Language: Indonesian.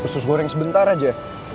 susu goreng sebentar aja